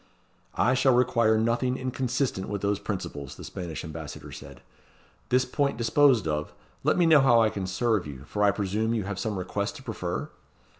"I shall require nothing inconsistent with those principles," the Spanish Ambassador said. "This point disposed of, let me know how I can serve you, for I presume you have some request to prefer?"